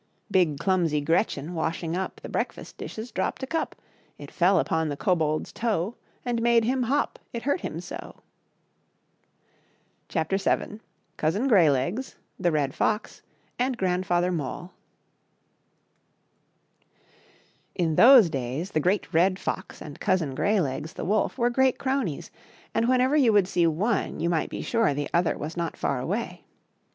"^Big clumsyGretchen^w^shing up The Breakfast dishes, dropped a Cup ; It fell upon the Kobold*s Toe, And made him hop it hurt him so. .del. 1il/'ja\aP^ .^^^^^ M v>i ousinGreylegs, y Great Red Fox and GrandfatherMole. ^/a^rs;^ VII. N those days the Great Red Fox and Cousin Greylegs, the wolf, were great cronies, and whenever you would see one you might be sure the other was not far away.